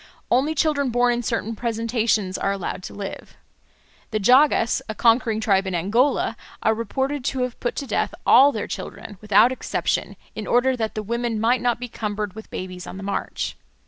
Only children born in certain presentations are allowed to live. The Jagas, a conquering tribe in Angola, are reported to have put to death all their children, without exception, in order that the women might not be cumbered with babies on the march.